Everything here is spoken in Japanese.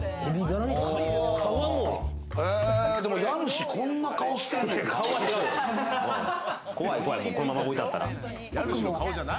家主、こんな顔してんねんな。